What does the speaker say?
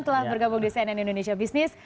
telah bergabung di cnn indonesia business